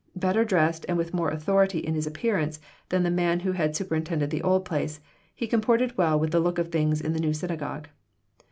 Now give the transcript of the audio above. Better dressed and with more authority in his appearance than the man who had superintended the old place, he comported well with the look of things in the new synagogue.